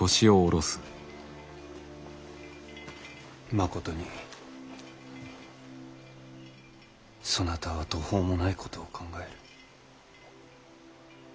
まことにそなたは途方もないことを考える。